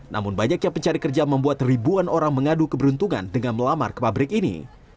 namun banyaknya pencari kerja membuat ribuan orang mengadu keberuntungan dengan melamar ke pabrik ini